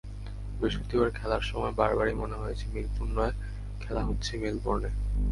বৃহস্পতিবার খেলার সময় বারবারই মনে হয়েছে মিরপুরে নয়, খেলা হচ্ছে মেলবোর্নে।